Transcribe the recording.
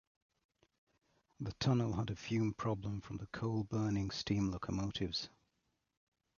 The tunnel had a fume problem from the coal-burning steam locomotives.